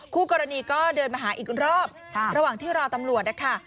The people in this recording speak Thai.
คู่กรณีก็เดินมาหาอีกรอบระหว่างที่รอตำรวจนะคะ